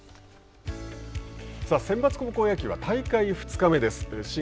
センバツ高校野球は大会２日目です。